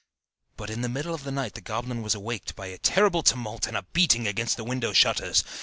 But in the middle of the night the goblin was awaked by a terrible tumult and beating against the window shutters.